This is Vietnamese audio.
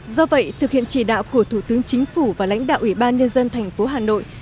do vậy thực hiện chỉ đạo của thủ tướng chính phủ và lãnh đạo ủy ban nhân dân thành phố hà nội